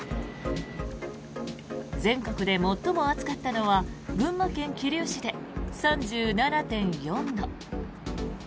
全国で最も暑かったのは群馬県桐生市で３７．４度。